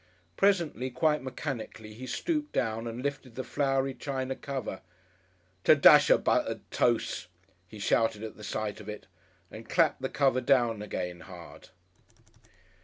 Presently, quite mechanically, he stooped down and lifted the flowery china cover. "Ter dash 'er Buttud Toce!" he shouted at the sight of it, and clapped the cover down again hard....